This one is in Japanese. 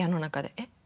「えっ」。